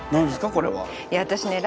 これは。